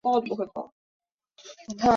凯尔福特人口变化图示